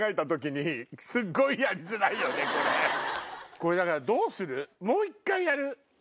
これだからどうする？